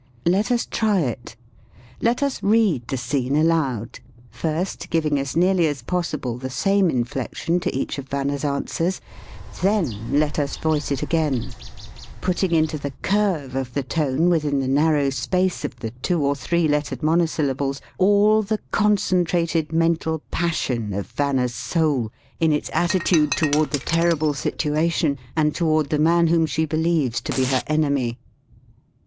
Let us try it. Let us read the scene aloud, first giving as nearly as possible the same inflection to each of Vanna's answers, then let us voice it again, putting into the curve of the tone within the narrow space of the two or three lettered monosyllables all the concentrated mental passion of Vanna's soul in its attitude toward the terrible situa tion and toward the man whom she believes to be her enemy.